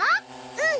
うん。